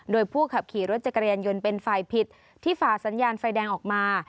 โดยผู้ขับขี่รถจักรยานยนต์เป็นฝ่ายผิดที่ฝ่าสัญญาณไฟแดงออกมา